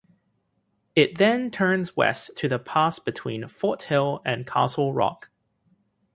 It then turns west to the pass between Fort Hill and Castle Rock.